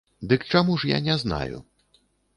Дык чаму ж я не знаю?